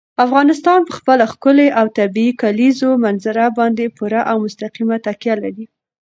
افغانستان په خپله ښکلې او طبیعي کلیزو منظره باندې پوره او مستقیمه تکیه لري.